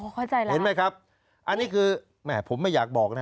เข้าใจแล้วเห็นไหมครับอันนี้คือแม่ผมไม่อยากบอกนะ